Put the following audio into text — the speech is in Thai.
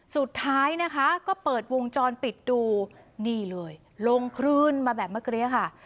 สุดท้ายนะคะก็เปิดวงจรปิดดูนี่เลยลงคลื่นมาแบบเมื่อกี้ค่ะ